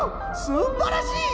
すんばらしい！